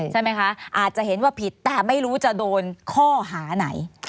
ใช่ไหมคะอาจจะเห็นว่าผิดแต่ไม่รู้จะโดนข้อหาไหน